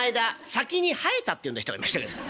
「先に生えた」って読んだ人がいましたけど。